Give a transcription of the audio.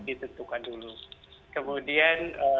ditentukan dulu kemudian